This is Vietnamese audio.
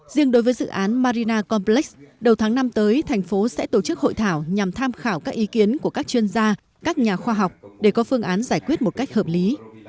riêng đối với dự án marina complex đầu tháng năm tới thành phố sẽ tổ chức hội thảo nhằm tham khảo các ý kiến của các chuyên gia các nhà khoa học để có phương án giải quyết một cách hợp lý